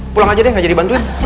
pulang aja deh gak jadi bantuin